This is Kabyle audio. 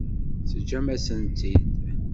Teǧǧam-asen-tt-id.